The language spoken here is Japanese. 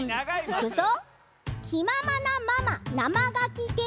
いくぞ！